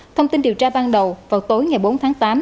thông tin điều tra ban đầu vào tối ngày bốn tháng tám